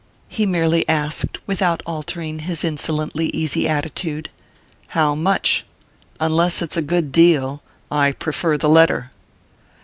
He merely asked, without altering his insolently easy attitude: "How much? Unless it's a good deal, I prefer the letter."